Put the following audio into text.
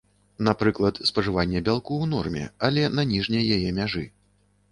Напрыклад, спажыванне бялку ў норме, але на ніжняй яе мяжы.